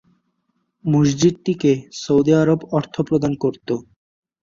মসজিদটিকে Saudi Arab অর্থ প্রদান করত।